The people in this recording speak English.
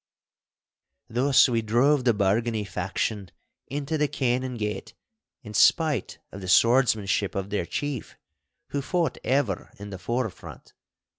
Thus we drove the Bargany faction into the Canongate in spite of the swordsmanship of their chief, who fought ever in the forefront.